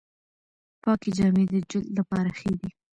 پاکې جامې د جلد لپاره ښې دي۔